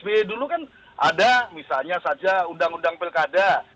pertama pak sbe dulu kan ada misalnya saja undang undang pelkada